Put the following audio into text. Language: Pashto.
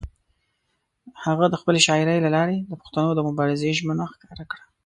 هغه د خپلې شاعرۍ له لارې د پښتنو د مبارزې ژمنه ښکاره کړه.